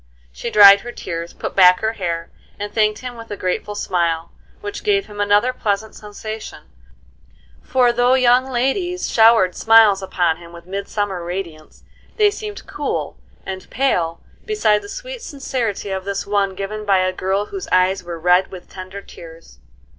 She dried her tears, put back her hair, and thanked him with a grateful smile, which gave him another pleasant sensation; for, though young ladies showered smiles upon him with midsummer radiance, they seemed cool and pale beside the sweet sincerity of this one given by a girl whose eyes were red with tender tears.